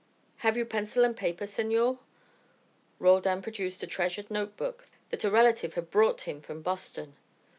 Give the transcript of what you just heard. Have you pencil and paper, senor?" Roldan produced a treasured note book that a relative had brought him from Boston.